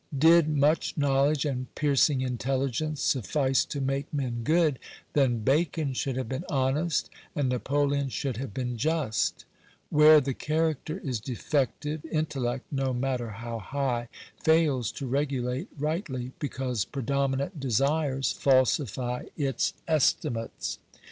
Did much knowledge and piercing intelligence suffice to make men good, then Bacon should have been honest, and Napoleon should have been just. Where the character is defective, intellect, no matter how high, fails to regulate rightly, because predominant desires falsify its estimates.